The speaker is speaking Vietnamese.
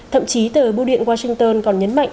thậm chí tờ bưu điện washington còn nhấn mạnh